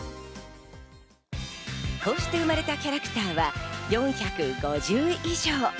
こうして生まれたキャラクターは４５０以上。